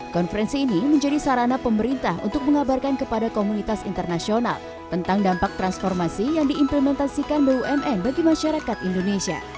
konferensi ini menjadi sarana pemerintah untuk mengabarkan kepada komunitas internasional tentang dampak transformasi yang diimplementasikan bumn bagi masyarakat indonesia